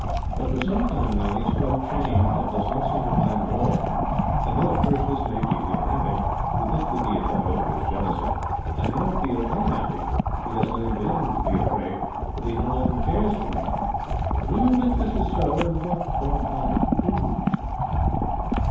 But for some time now he has quite changed, and does not seem to mind at all, and though at first this made me feel happy, to think that he had got over his jealousy, I now feel unhappy because I am beginning to be afraid that he no longer cares for me. Do you think this is so, and what ought I to do?'